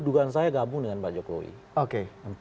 enam puluh dugaan saya gabung dengan pak jokowi